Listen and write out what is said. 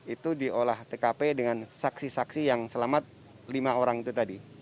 itu di olah tkp dengan saksi saksi yang selamat lima orang itu tadi